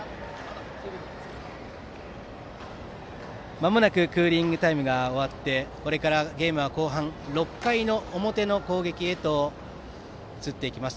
まもなくクーリングタイムが終わってこれからゲームは後半６回表の攻撃へ移ります。